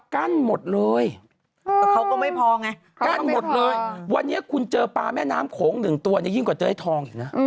กั้นหมดเลยวันนี้คุณเจอปลาแม่น้ำโขง๑ตัวยิ่งกว่าเจอไอ้ทอง